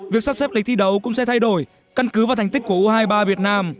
việc sắp xếp lịch thi đấu cũng sẽ thay đổi căn cứ vào thành tích của u hai mươi ba việt nam